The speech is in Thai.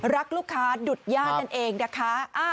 รักลูกค้าดุดย่านั่นเองนะคะ